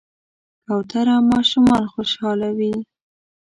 کوتره ماشومان خوشحالوي.